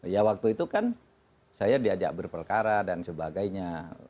ya waktu itu kan saya diajak berperkara dan sebagainya